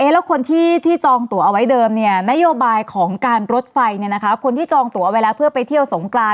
แล้วคนที่จองตัวเอาไว้เดิมนโยบายของการรถไฟคนที่จองตัวไว้แล้วเพื่อไปเที่ยวสงกราน